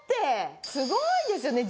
すごいですよね！